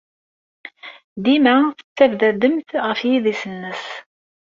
Dima tettabdademt ɣer yidis-nnes!